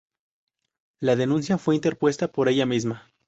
La denuncia fue interpuesta por ella misma.